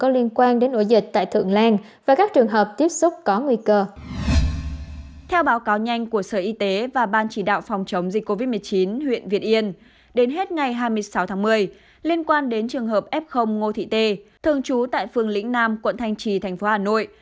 liên quan đến trường hợp f ngô thị tê thường trú tại phương lĩnh nam quận thành trì tp hà nội